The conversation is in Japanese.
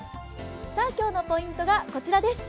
今日のポイントがこちらです。